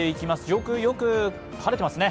上空よく晴れてますね。